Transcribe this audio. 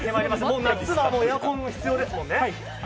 夏はエアコン必要ですもんね。